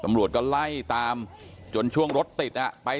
ตำรวจต้องไล่ตามกว่าจะรองรับเหตุได้